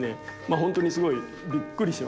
本当にすごいびっくりしましたね。